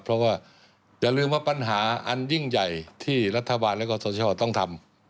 เพราะว่าอย่าลืมว่าปัญหาอันยิ่งใหญ่ที่รัฐบาลและกศชต้องทำ